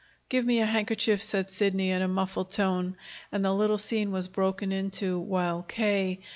"Give me a handkerchief," said Sidney in a muffled tone, and the little scene was broken into while K.